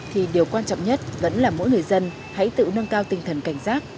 thì điều quan trọng nhất vẫn là mỗi người dân hãy tự nâng cao tinh thần cảnh giác